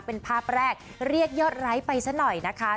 เป็นภาพแรกเรียกยอดไลค์ไปซะหน่อยนะคะ